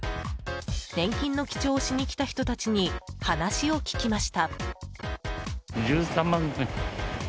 年金の記帳をしにきた人たちに話を聞きました。